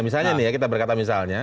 misalnya ini ya kita berkata misalnya